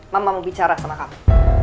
mama mau bicara sama kami